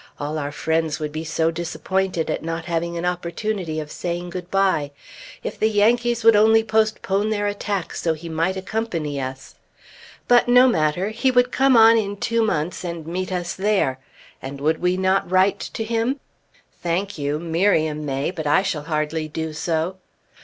All our friends would be so disappointed at not having an opportunity of saying good bye. If the Yankees would only postpone their attack so he might accompany us! But no matter; he would come on in two months, and meet us there. And would we not write to him? Thank you! Miriam may, but I shall hardly do so!